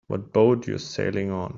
What boat you sailing on?